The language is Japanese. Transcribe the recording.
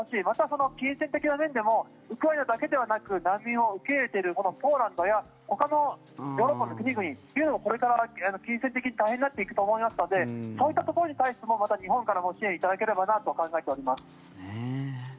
また、金銭的な面でもウクライナだけではなく難民を受け入れているこのポーランドやほかのヨーロッパの国々というのもこれから金銭的に大変になっていくと思いますのでそういったところに対してもまた、日本からも支援いただければなと考えております。